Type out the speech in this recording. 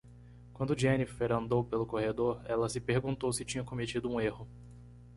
Quando Jennifer andou pelo corredor?, ela se perguntou se tinha cometido um erro.